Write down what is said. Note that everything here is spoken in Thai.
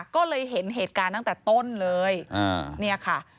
ก็เลยเห็นเหตุการณ์ตั้งแต่ต้นเลยเนี่ยค่ะ